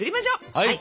はい！